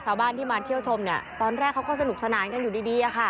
ชาวบ้านที่มาเที่ยวชมเนี่ยตอนแรกเขาก็สนุกสนานกันอยู่ดีอะค่ะ